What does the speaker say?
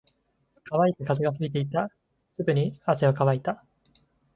乾いた風が吹いていた。すぐに汗は乾いた。